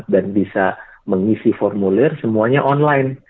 dan bisa mengisi formulir semuanya online